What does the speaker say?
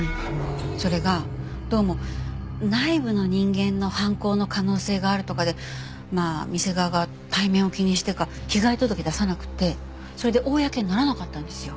それがどうも内部の人間の犯行の可能性があるとかでまあ店側が体面を気にしてか被害届出さなくてそれで公にならなかったんですよ。